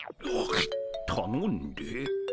たのんで？